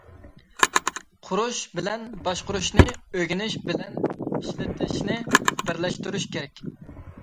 — قۇرۇش بىلەن باشقۇرۇشنى، ئۆگىنىش بىلەن ئىشلىتىشنى بىرلەشتۈرۈش كېرەك.